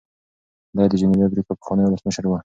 دی د جنوبي افریقا پخوانی ولسمشر و.